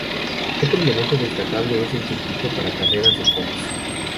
Otro elemento destacable es el circuito para carreras de pods.